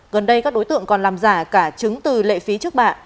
gần đây các đối tượng còn làm giả cả chứng từ lệ phí trước bạ